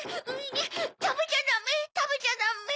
たべちゃダメたべちゃダメ！